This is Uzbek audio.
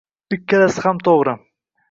Ikkalasi ham toʻgʻri